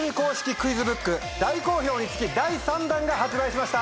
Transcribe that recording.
クイズブック大好評につき第３弾が発売しました。